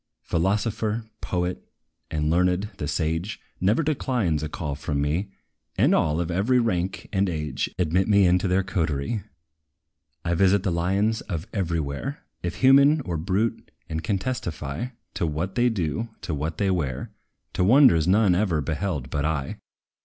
Philosopher, poet, the learned, the sage, Never declines a call from me; And all, of every rank and age, Admit me into their coterie. I visit the lions of every where, If human, or brute, and can testify To what they do, to what they wear, To wonders none ever beheld but I!